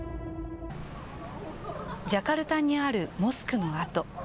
ジャカルタにあるモスクの跡。